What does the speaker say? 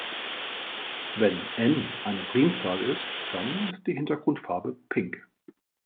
Wenn "n" eine Primzahl ist, dann ist die Hintergrundfarbe pink.